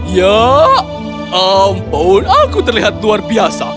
ya ampun aku terlihat luar biasa